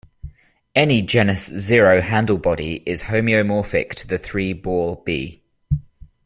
Any genus zero handlebody is homeomorphic to the three-ball B.